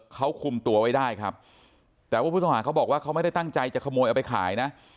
คุมตัวไว้ได้ครับแต่พระพุทธภาคเขาบอกว่าเขาไม่ได้ตั้งใจจะขโมยเอาไปขายนะ